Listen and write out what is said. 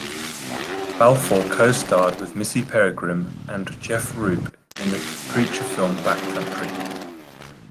Balfour co-starred with Missy Peregrym and Jeff Roop, in the creature film "Backcountry".